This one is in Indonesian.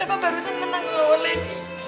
rapah barusan menang loh lady